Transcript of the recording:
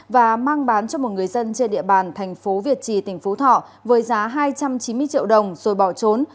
và mang bán cho một người dân trên địa bàn thành phố việt trì tỉnh phú thọ với giá hai trăm chín mươi triệu đồng rồi bỏ trốn